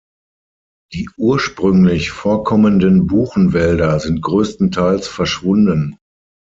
Die ursprünglich vorkommenden Buchenwälder sind größtenteils verschwunden.